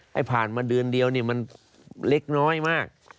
ให้ผ่านมาเดือนเดียวเนี่ยมันเล็กน้อยมาก